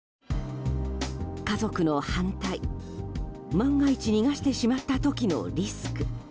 万が一逃がしてしまった時のリスク。